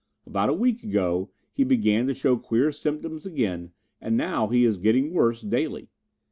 About a week ago he began to show queer symptoms again and now he is getting worse daily.